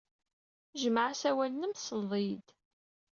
Jmeɛ asawal-nnem, tesled-iyi-d!